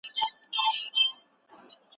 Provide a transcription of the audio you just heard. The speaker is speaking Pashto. د مڼې خوند ډېر خوږ او ښه دی.